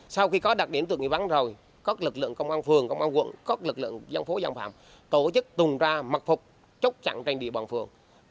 sau khi có đặc điểm tượng nghi vấn rồi các lực lượng công an phường công an quận các lực lượng dân phố dân phạm tổ chức tùng ra mặc phục chốc chặn trên địa bàn phường